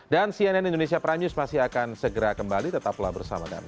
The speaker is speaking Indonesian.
dan cnn indonesia prime news masih akan segera kembali tetaplah bersama kami